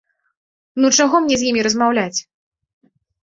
Ну чаго мне з імі размаўляць?